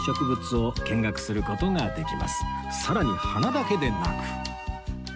更に花だけでなく